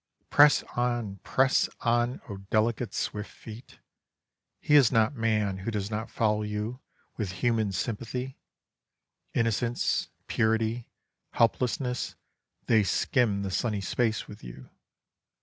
Press on! press on! oh delicate, swift feet! He is not man who does not follow you with human sympathy. Innocence, purity, helplessness, they skim the sunny space with you.